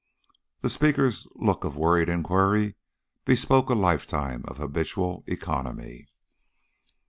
The speaker's look of worried inquiry bespoke a lifetime of habitual economy.